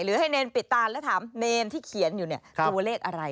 หรือให้เนรนปิดตาแล้วถามเนรนที่เขียนอยู่ตัวเลขอะไร